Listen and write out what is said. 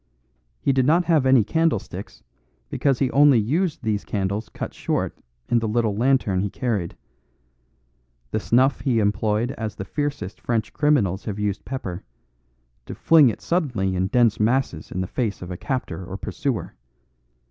He did not have any candlesticks because he only used these candles cut short in the little lantern he carried. The snuff he employed as the fiercest French criminals have used pepper: to fling it suddenly in dense masses in the face of a captor or pursuer.